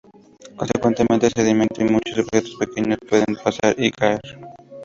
Consecuentemente, sedimento y muchos objetos pequeños pueden pasar y caer.